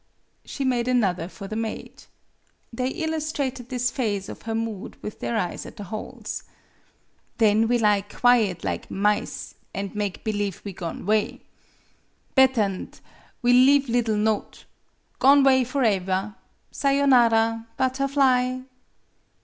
She made another for the maid. They illus trated this phase of her mood with their eyes at the holes. " Then we lie quiet lig mice, an' make believe we gone 'way. Bet ter n't we leave liddle note: ' Gone 'way for aever. Sayonara, Butterfly